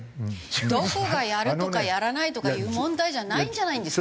どこがやるとかやらないとかいう問題じゃないんじゃないんですか？